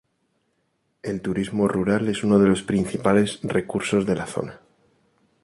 El turismo rural es uno de los principales recursos de la zona.